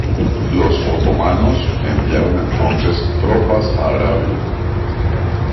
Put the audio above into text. Los otomanos enviaron, entonces, tropas a Arabia.